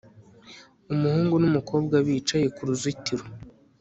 Umuhungu numukobwa bicaye kuruzitiro